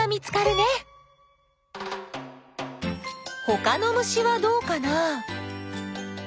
ほかの虫はどうかな？